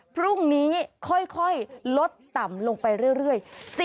พรุ่งนี้ค่อยลดต่ำลงไปเรื่อย